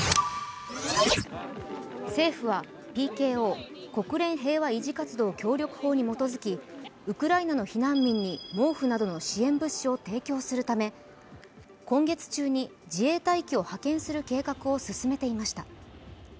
政府はＰＫＯ＝国連平和維持活動に基づきウクライナの避難民に毛布などの支援物資を提供するため今月中に自衛隊機を派遣する計画を進めていました。